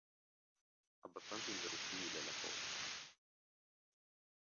Abbastanza inverosimile la cosa.